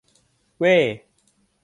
เว้ !